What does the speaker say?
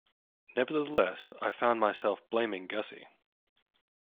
Nevertheless, I found myself blaming Gussie.